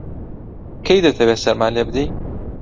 کەی دەتەوێ سەرمان لێ بدەی؟